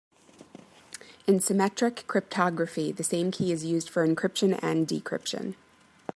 In symmetric cryptography the same key is used for encryption and decryption.